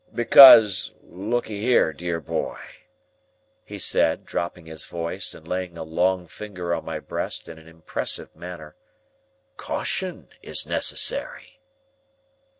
"Because, look'ee here, dear boy," he said, dropping his voice, and laying a long finger on my breast in an impressive manner, "caution is necessary."